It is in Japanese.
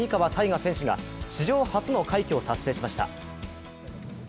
泰果選手が史上初の快挙を達成しました。